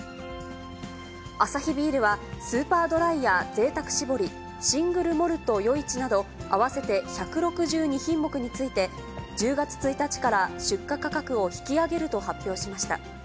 アサヒビールは、スーパードライや贅沢搾り、シングルモルト余市など、合わせて１６２品目について、１０月１日から出荷価格を引き上げると発表しました。